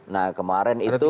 nah kemarin itu